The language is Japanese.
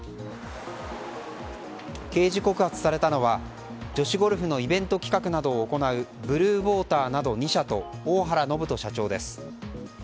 刑事告発されたのは女子ゴルフのイベント企画などを行うＢｌｕｅＷａｔｅｒなど２社と大原信人社長です。